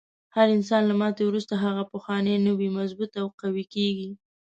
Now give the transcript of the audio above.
هر انسان له ماتې وروسته هغه پخوانی نه وي، مضبوط او قوي کیږي.